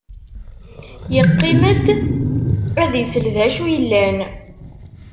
Yeqqim-d ad isel d acu yellan.